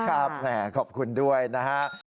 ครับขอบคุณด้วยนะครับ